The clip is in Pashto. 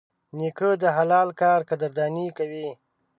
نیکه د حلال کار قدرداني کوي.